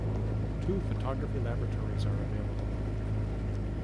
Two photography laboratories are available.